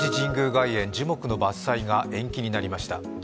外苑樹木の伐採が延期になりました。